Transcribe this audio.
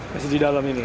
masih di dalam ini